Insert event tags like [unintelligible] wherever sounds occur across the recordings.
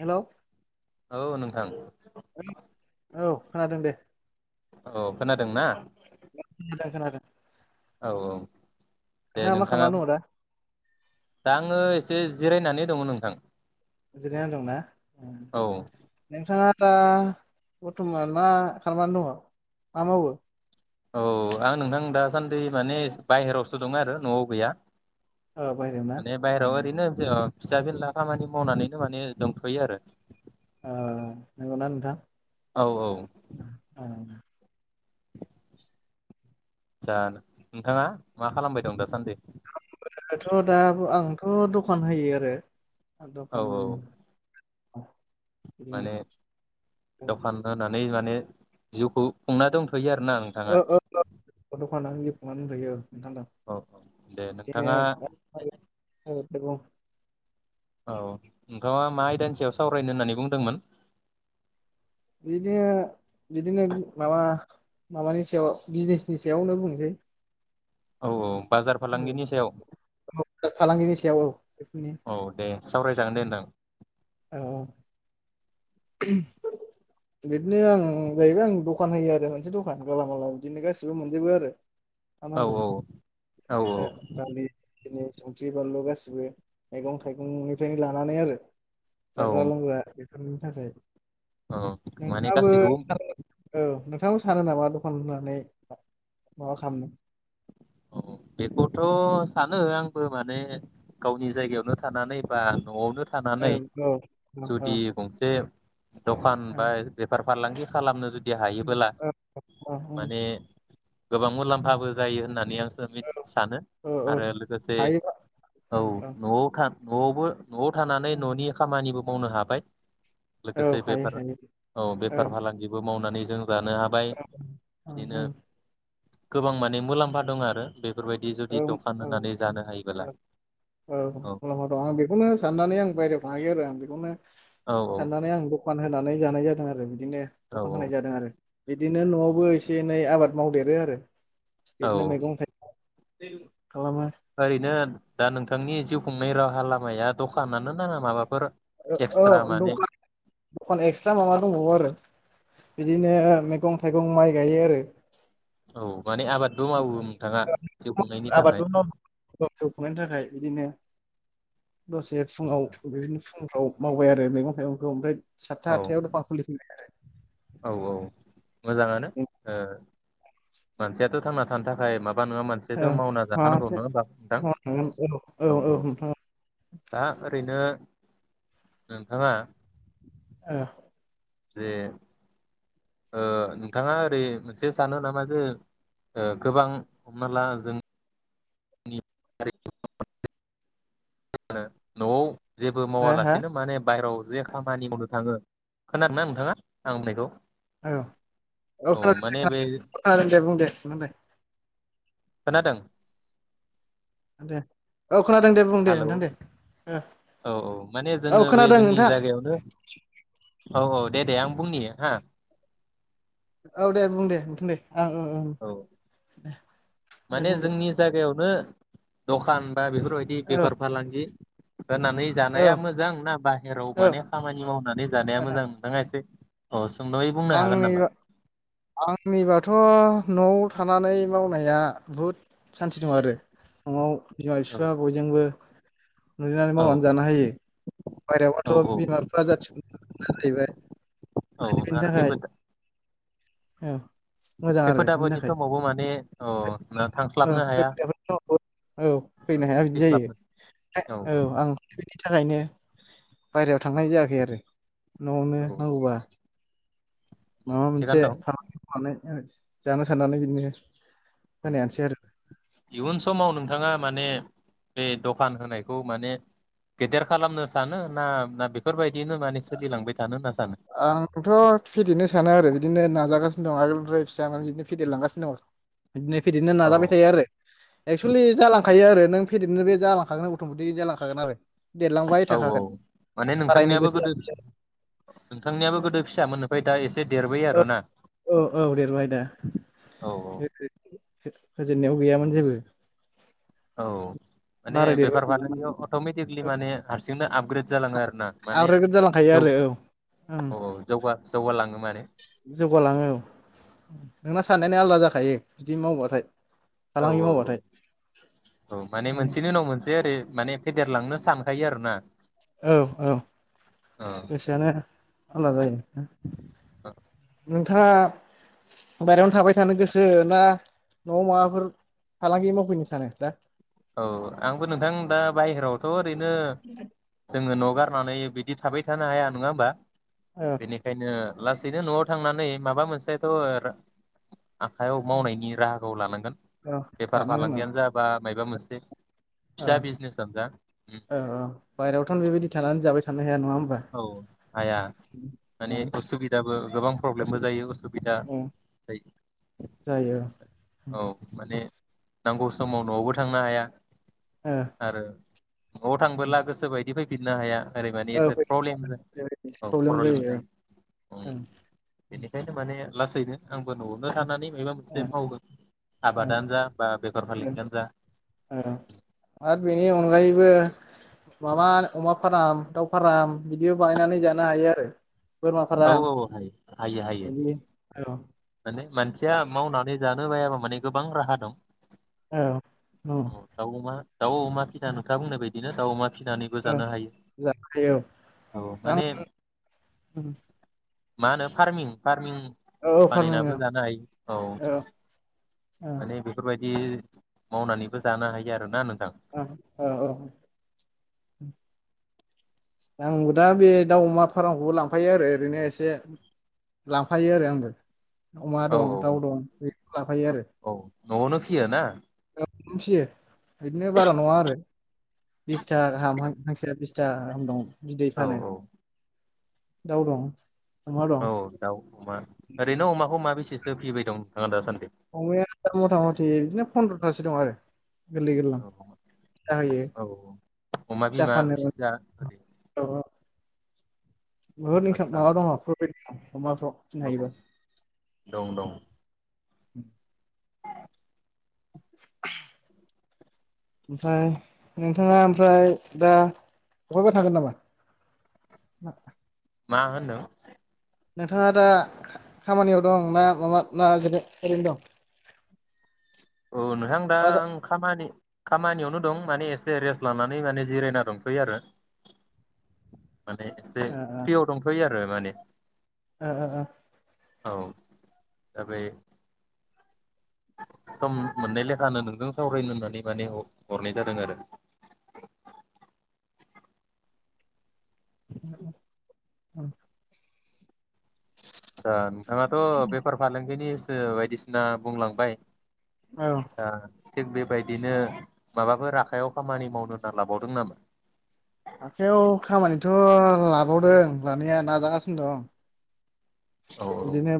Hello औ नोंथां औ खोनादों दे औ [inaudible] [unintelligible] औ औ दे मा नोंथाङा खालामनानै दङ दा दा आङो एसे जिरायनानै दङ नोंथां जिरायना दंना उम औ नोंथाङा दा बरथमान मा खालामनानै दङ मा मावो औ आं नोंथां दासान्दि माने बायहेरावसो दं आरो नआव गैया ओ बायहेरायाव ना माने बाहेराव ओरैनो [unintelligible] फिसा फेनला खामानि मावनानैनो माने दंथयो आरो ओ नंगौना नोंथां औ औ ओ जानो नोंथाङा मा खालामबाय दं दासान्दि आंथ' दा आंथ' दखान होयो आरो औ दखान औ बिदिनो माने दखान होनानै मा माने जिउखौ खुंना दंथयो आरो औ औ दखान औ औ दे नोंथाङा [inaudible] [inaudible] [unintelligible] औ नोंथाङा मा आयदानि सायाव सावरायनो होननानै बुंदोंमोन? बिदिनो बिदिनो माबा माबानि सायाव बिजिनेसनि सायावनो बुंसै। औ औ। बाजार फालांगिनि सायाव फालांगिनि सायाव औ बेफोरनि औ दे सावरायजागोन औ दे नोंथां। औ। [unintelligible] आं जाहैबाय आं दखान होयो आरो मोनसे दखान गेलामालाव बिदिनो गासैबो मोनजोबो आरो। मा औ नांगौ औ औ औ। दालि बिदिनो संख्रि बानलु गासिबो मैगं थाइगंनिफ्रायनो लानानै आरो। औ जाग्रा लोंग्रा। [unintelligible] नाथाय। औ माने गासैखौबो [unintelligible] नोंथाङाबो सानो नामा दखान होनानै माबा खामनो। औ बेखौथ' सानो आंबो माने गावनि जायगायावनो थानानै बा न'आवनो। औ थानानै औ औ जुदि गंसे। दखान बा बेफार फालांगि। खालामनो [unintelligible] दि हायोबोला औ माने गोबां मुलामफाबो जायो होनना [unintelligible] सानो औ औ आरो लोगोसे हायोबा औ न'आव था। न'आवबो। न'आव थानानै न'नि खामानि मावनो हाबाय। औ लोगोसे हायो बेफार हायो औ बेफार फालांगिबो मावनानै जों जानो हाबाय औ बिदिनो। गोबां माने मुलाम्फा। बेफोरबायदि जुदि [unintelligible] आं दखान होनानै जानो हायोबोला औ बेखौनो साननानै आं बायरायाव थायो आरो आं बेखौनो औ साननानै आं दखान होनानै जानाय जादों। [unintelligible] बिदिनो औ दखान होनाय औ जादों आरो बे दिनो न'आवबो एसे एनै आबाद मावदेरो आरो। बेदिनो औ मैगं थायगं। [unintelligible] ओरैनो दा नोंथांनि जिउ खुंनाय रावाहा लामाया दखानानो ना माबाफोर औ एक्सट्रा माने दखान दखान एक्सट्रा माबा दंबावो आरो बिदिनो मैगं थाइगं माइ गायो आरो। औ माने आबादबो मावो नोंथाङा जिउ खुंनायनि थाखाय। आबादबो मावो जिउ खुंनायनि थाखाय बिदिनो दसे फुङाव बेनो फुंफ्राव मावबाय आरो मैगं थाइगंखौ ओमफ्राय औ साथा आथायाव दखान खुलि फैबाय आरो। औ औ मोजाङानो आरो। ओ मानसियाथ' थांना थानो थाखाय माबा बा नोङो औ मानसेयाथ' मावना जाहानांगौ माबासो नङा नोंथां औ औ दा ओरैनो नोंथांआ ओ जे ओ नोंथाङा ओरै मोनसे सानो नामा जे गोबां हमना ला जों [unintelligible] न'आव जेबो हो हो मावालासिनो माने बाहेरायाव जे खामानि मावनो थाङो खोनादों ना नोंथाङा आं होननायखौ औ औ बे खोनादों दे बुं दे बुं खोनादों दे औ खोनादों दे बुं दे हेलौ नोंथां दे ओ औ औ माने औ जोंङो बे खोनादों जोंनि नोंथां जायगायावनो औ औ दे दे आं बुंनि हा। औ दे बुं दे ओ ओं ओं। औ दे माने बुंदो जोंनि जायगायावनो दखान। बा बेफोरबायदि औ बेफार फालांगि होनानै औ जानाया मोजां ना बाहेराव औ माने खामानि मावनानै जानाया मोजां नोंथाङा इसे अस आंनिवा आंनिबाथ' न'आव थानानै मावनाया बुहुद सान्थि दं आरो न'आव बिमा औ बिफा बयजोंबो नुनानै औ मावनानै जानो हायो औ बायहेरायावबाथ' औ बिमा बिफा जाथिखौ [unintelligible] औ आरो खैफोद ओह मोजां आरो खैफोद बिनि आफोदनि थाखाय समावबो माने औ ना ओह थांस्लाबनो हाया [unintelligible] औ फैनो औ हाया बिदि फैस्लाबनो जायो औ आं [unintelligible] थाखायनो बायहेराय थांनाय जायाखै आरो न'आवनो औ नांगौबा उम, माबा मोनसे थिगानो दं फालांगि मावनानै जानो साननानै बिदिनो होनायानोसै आरो इयुन समाव नों नोंथाङा माने बे दखान होनायखौ माने गेदेर खालामनो सानो ना ना बेफोरबायदिनो माने सोलिलांबाय थानो होनना सानो? आंथ' फेदेरनो सानो आरो बिदिनो नाजागासिनो दं आगोलनिफ्राय फिसा बिदिनो फेदेरलांगासिनो दं। दिनो फेदेरनो औ नाजाबाय थायो आरो एक्सुयेलि जालाख थायो आरो नों फेदेरनो बे जांखागोन अट'मेटिक जालांखागोन आरो। देरलांबाय औ औ थाखागोन माने बारायनो नोंथांनियाबो गोसो गोदो नोंथांनियाबो गोदो फिसा मोननो दा एसे देरबाय आरोना औ औ देरबाय दा औ औ होजेननायाव गैयामोन जेबो औ माने बाराय बेफार देरबाय फालांगियाव अट'मेटिकलि माने हारसिंनो आब आपग्रेद जालांङो आरो ना माने आग्रोद जालांखायो जौ आरो औ ओं औ औ जौगा जौगालाङो माने जौगालाङो औ नोंना साननायानो आलादा जाखायो बिदि मावबाथाय। औ फालांगि औ औ मावबाथाय औ माने मोनसेनि उनाव मोनसे ओरै माने फेदेरलांनो सानखायो आरो ना औ औ गोसोआनो आलदा जायो औ नोंथाङा बायरायावनो थाबाय थानो गोसो ना न'आव माबाफोर फालांगि मावफैनो सानो दा? औ आंबो नोंथां दा बायहेरायावथ' रैनो जोङो न' न' गारनानै बिदि थाबाय थानो हाया नङा होमबा? औ बेनिखायनो लासैनो न'आव थांनानै माबा मोनसेथ' ओ आखाइयाव मावनायनि राहाखौ लानांगोन औ बेफार फालांगियानो जा बा माबा मोनसे फिसा बिजनेसानो जा ओ-ओ-ओ- बायहेरायावथ' नों बेबायदि थानानै जाबाय। थानो हाया नङा होमबा औ हाया माने औ उसुबिदाबो। गोबां प्रब्लेमबो जायो उसुबिदा जायो। जायो औ माने। नांगौ समाव न'आवबो थांनो हाया। औ आरो न'आव औ थांबोला गोसोबायद बेबायदि फैफिननो हाया। आरै माने एसे। औ [unintelligible] औ प्रब्लेम जायो ओम औ बेनिखायनो माने। लासैनो। आंबो न'आवनो थानानै माबा मोनसे औ मावगोन आबादानो औ जा, बा बेफार-फालांगियानो जा। बो माबा अमा फाराम, दाउ फाराम बिदिबो बानायनानै जानो हायो आरो। बोरमा औ फाराम औ हायो हायो हायो इदि औ। माने मानसिया मावनानै जानो बायाबा माने गोबां राहा दं। औ औ ओम दाव-अमा दाव-अमा फिसिनानै नोंथाङा बुंनाय बादि। [unintelligible] औ जाखायो औ आं ओम। मा होनो फार्मिं-फार्मिं। औ औ फार्मिं औ बानायनाबो जानो हायो औ औ माने बेफोरबायदि। मावनानैबो जानो हायो आरोना नों अ औ औ आंबो दा बे दाउ अमा फार्मखौबो लांफायो आरो ओरैनो एसे लांफायो आरो आंबो। अमा औ दं औ दाउ दं बेखौ लाफायो आरो औ न'आवनो फियो ना फियो बिदिनो बारा नङा आरो बिस्था गाहाम हां हांसोआ बिस्था गाहाम दं। बिदै औ फानो। दाउ दं। अमा दं औ दाउ अमा ओरैनो अमाखौ मा बेसेस सो फिबाय दं नोंथाङा दा सान्दि? खासे दं आरो गोरलै औ गोरलाम फिसा होयो औ अमा फिसा बिमा फानो फिसा ओरै औ औ। ओहो नोंथां आदसा माबा दङ' प्रटिन। अमथ' फिनो औ औ हायो र। [inaudible] दं दं [inaudible] ओमफ्राय नोंथाङा ओमफ्राय दा अबहायबा थागोन नामा? मा होनदों? नोंथाङा दा खा-खामानियाव दं ना माबा ना जिरा ओरैनो दं? औ नोंथां दा बाजार आं खामानि खामानियावनो दं माने एसे रेस्ट लानानै माने जिरायना दंथयो आरो। माने एसे फ्रियाव दंथयो आं। फोरो माने ओ ओ ओ। औ दा बे सम मोननाय लेखानो नोंजों सावरायनो होननानै माने ह-हरनाय जादों आरो। [unintelligible] अआतसा नोंथाङाथ' बेेफार फालांगिनिस सो बायदिसिना बुंलांबाय। ओ औ आ थिग बेबायदिनो माबाफोर आखायाव खामानि मावनो होनना लाबावदों नामा? आखाइयाव खामानिथ' लाबावदों लानाया नाजागासिनो दं। औ बिदिनो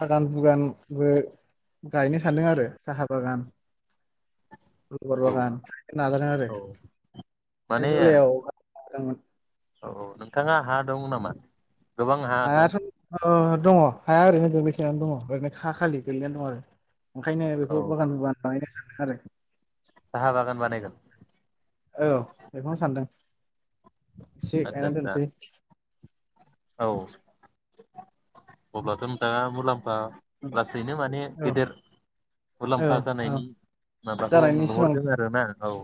थागान बुगान बो गायनो सान्दों आरो। साहा बागान। गलबार बागान नाजादों आरो औ ओमफाय माने जुलाइआव नाजादोंमोन। औ औ नोंथाङा हा दं नामा? गोबां हा दं? हायाथ' ओ दङ हाया ओरैनो गोग्लैसोनानै दङ ओरैनो खा खालि गोग्लैनानै दं आरो। ओंखायनो औ बेखौ बागान बानायनो आरो साहा बागान बानायगोन औ बेखौनो सानदों। एसे आदसा गायना आदसा दोनसै। औ अब्लाथ' नोंथाङा मुलाम्फा लासैनो माने औ गेदेर औ मुलाम्फा औ जानायनि माबाखौ जानायनि सिमां नुहरदों आरोना औ।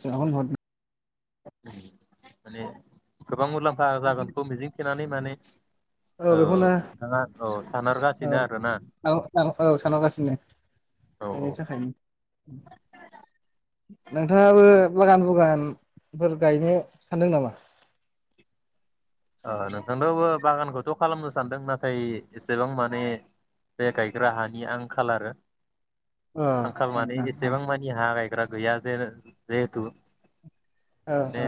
सिमांखौनो नुहुरदों माने गोबां मुलाम्फा जागोनखौ मिजिंथिनानै माने औ बेखौनो नोंथाङा औ सानहरगासिनो आरोना औ औ सानहरगासिनो औ बेनि औ थाखायनो नोंथाङाबो बागान बुगान फोर गायनो सानदों नामा? ओ नोंथांनावबो बागानखौथ' खालामनो सानदों नाथाय एसेबां माने बे गायग्रा हानि आंखाल आरो। अ आंखाल ओ माने एसेबां मानि हा गाय दा गैया जे जिहेथु ओ मान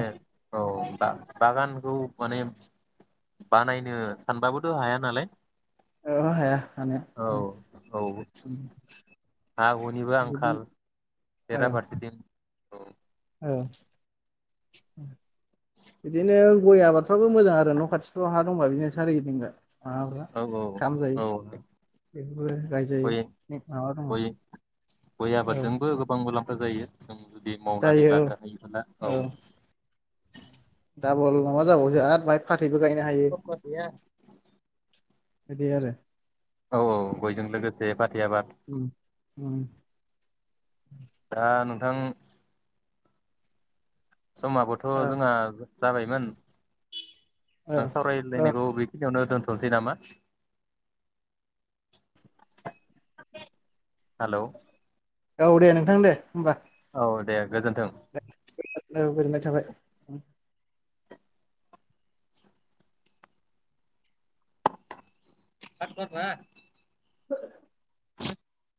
औ बागानखौ माने बानायनो सानबाबोथ' हाया नालाय ओ ओ हाया हानाया औ औ ओं हा हुनिबो बिदि आंखाल। औ बेरा फारसेथिं औ औ बिदिनो गय आबादफ्राबो मोजां आरो न' खाथिफ्राव हा दंबा बिदिनो सारिगिदिंगा औ औ औ औ बेफोरबो गायजायो गय माबा दङ गय गय औ आबादजोंबो गोबां मुलाम जायो। जों जुदि मावनानै जायो औ लानो हायोब्ला औ डाबल माबा जाबावसो आरो बेहाय फा थैबो गायनो हायो। औ बिदि आरो औ औ गयजों लोगोसे फाथै आबाद उम उम दा नों थां समाबोथ' औ जोंहा जाबायमोन। औ नों औ सावरायज्लायनायखौ बि खिनियावनो दोनथ'नोसै नामा? हेलौ औ दे नोंथां दे होमबा। औ दे। गोजोन्थों। औ गोजोननाय थाबाय। [unintelligible] [inaudible]